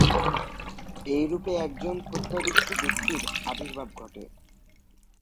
এইরূপে একজন প্রত্যাদিষ্ট ব্যক্তির আবির্ভাব ঘটে।